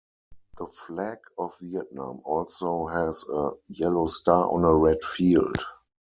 The flag of Vietnam also has a yellow star on a red field.